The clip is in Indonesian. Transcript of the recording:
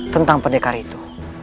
tentang pendekar itu